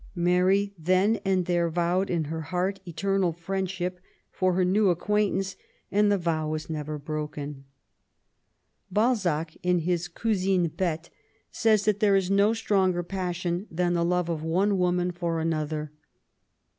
Mary then and there vowed in her heart eternal friendship for her new acquaintance, and the vow was never broken. 14 MABT W0LL8T0NEGBAFT GODWIN. Balzac^ in his Couaine Bette, says that there is no stronger passion than the love of one woman for another.